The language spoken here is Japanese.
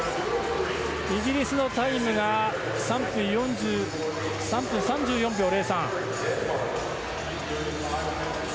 イギリスのタイムが３分３４秒０３。